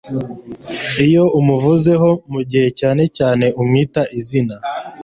Iyo umuvuzeho mugihe cyane cyane umwita izina